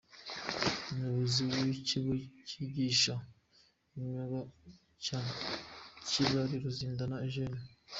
Umuyobozi w’ikigo cyigisha imyuga cya Kibali, Ruzindana Eugene.